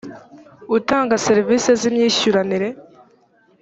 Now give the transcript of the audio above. utanga serevisi z imyishyuranire